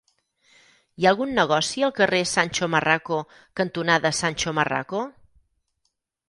Hi ha algun negoci al carrer Sancho Marraco cantonada Sancho Marraco?